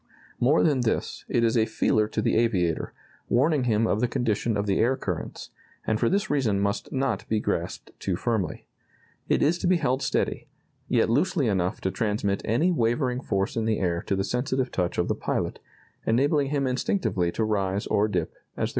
More than this, it is a feeler to the aviator, warning him of the condition of the air currents, and for this reason must not be grasped too firmly. It is to be held steady, yet loosely enough to transmit any wavering force in the air to the sensitive touch of the pilot, enabling him instinctively to rise or dip as the current compels.